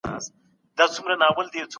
د خلکو فکرونه د علمي پروسو سره یوځای کړئ.